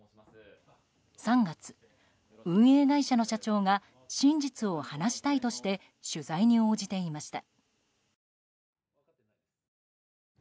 ３月、運営会社の社長が真実を話したいとして取材に応じていました。